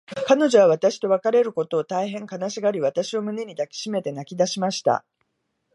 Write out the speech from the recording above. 彼女は私と別れることを、大へん悲しがり、私を胸に抱きしめて泣きだしました。